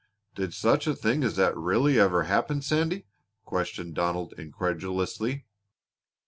"Did such a thing as that really ever happen, Sandy?" questioned Donald incredulously.